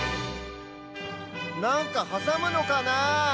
なんかはさむのかなあ？